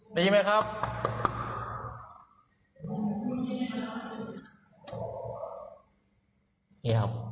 ได้ยินไหมครับ